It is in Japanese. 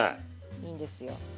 いいんですよ。